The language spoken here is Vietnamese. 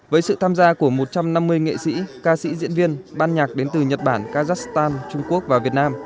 với sự tham gia của một trăm năm mươi nghệ sĩ ca sĩ diễn viên ban nhạc đến từ nhật bản kazakhstan trung quốc và việt nam